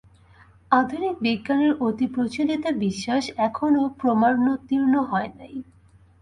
আধুনিক বিজ্ঞানের অতিপ্রচলিত বিশ্বাস এখনও প্রমাণোত্তীর্ণ হয় নাই।